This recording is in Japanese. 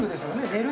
寝る